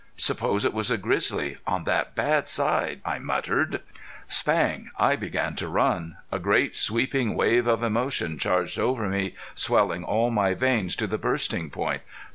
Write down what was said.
"Suppose it was a grizzly on that bad side!" I muttered. Spang!... I began to run. A great sweeping wave of emotion charged over me, swelling all my veins to the bursting point.